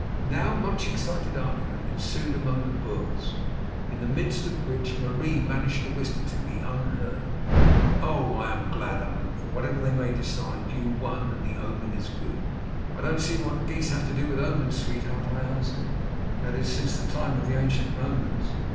Now, much excited argument ensued among the Boers, in the midst of which Marie managed to whisper to me unheard: "Oh! I am glad, Allan, for whatever they may decide, you won, and the omen is good." "I don't see what geese have to do with omens, sweetheart," I answered—"that is, since the time of the ancient Romans.